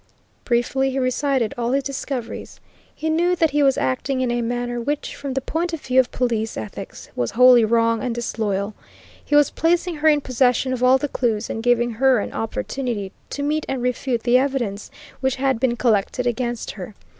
Briefly he recited all his discoveries. He knew that he was acting in a manner which, from the point of view of police ethics, was wholly wrong and disloyal. He was placing her in possession of all the clues and giving her an opportunity to meet and refute the evidence which had been collected against her.